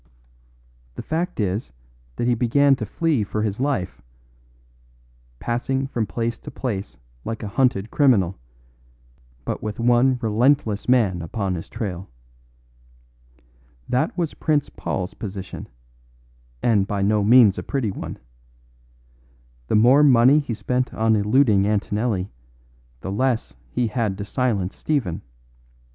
The fact is that he began to flee for his life, passing from place to place like a hunted criminal; but with one relentless man upon his trail. That was Prince Paul's position, and by no means a pretty one. The more money he spent on eluding Antonelli the less he had to silence Stephen.